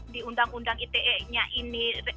di undang undang ite nya ini